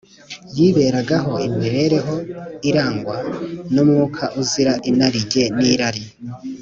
Yiberagaho imibereho irangwa n’umwuka uzira inarijye n’irari